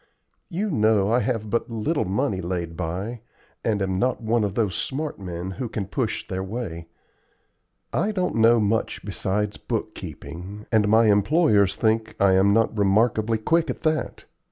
You know I have but little money laid by, and am not one of those smart men who can push their way. I don't know much besides bookkeeping, and my employers think I am not remarkably quick at that.